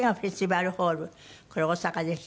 これ大阪です。